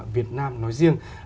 việt nam nói riêng